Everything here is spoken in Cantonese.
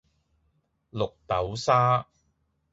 綠豆沙